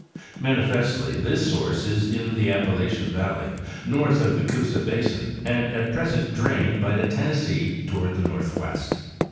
Manifestly this source is in the Appalachian valley north of the Coosa basin and at present drained by the Tennessee toward the northwest.